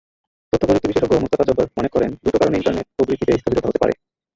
তথ্যপ্রযুক্তি বিশেষজ্ঞ মোস্তাফা জব্বার মনে করেন, দুটো কারণে ইন্টারনেট প্রবৃদ্ধিতে স্থবিরতা হতে পারে।